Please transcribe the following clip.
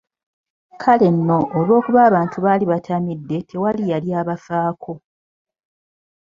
Kale nno, olw'okuba abantu baali batamidde tewali yali abafaako.